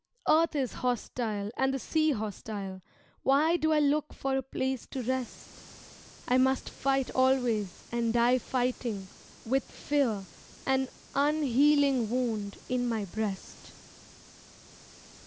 Earth is hostile and the sea hostile, Why do I look for a place to rest? I must fight always and die fighting With fear an unhealing wound in my breast.